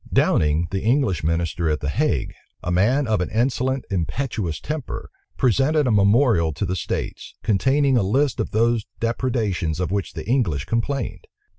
Downing, the English minister at the Hague, a man of an insolent, impetuous temper, presented a memorial to the states, containing a list of those depredations of which the English complained.